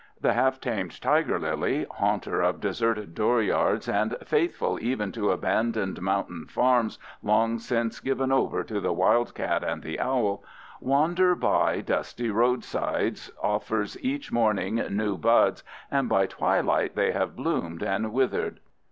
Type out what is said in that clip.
The half tamed tiger lily, haunter of deserted dooryards and faithful even to abandoned mountain farms long since given over to the wildcat and the owl, wanderer by dusty roadsides, offers each morning new buds, and by twilight they have bloomed and withered.